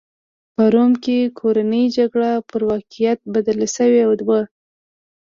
په روم کې کورنۍ جګړه پر واقعیت بدله شوې وه.